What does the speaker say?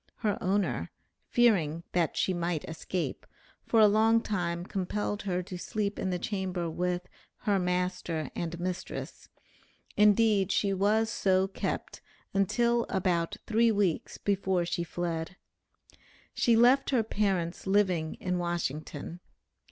Her owner, fearing that she might escape, for a long time compelled her to sleep in the chamber with "her master and mistress;" indeed she was so kept until about three weeks before she fled. She left her parents living in Washington.